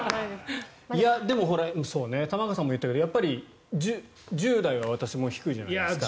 でも玉川さんも言ったけどやっぱり１０代は私も低いじゃないですか。